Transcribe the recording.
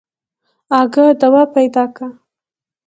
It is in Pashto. اگه دوا پيدا که.